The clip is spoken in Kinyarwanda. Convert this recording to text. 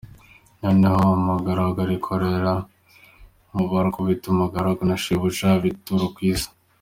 Noneho umugaragu arikorera, Nkuba arakubita, umugaragu na shebuja bitura ku isi.